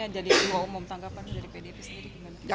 jadi dua umum tangkapan dari pdip sendiri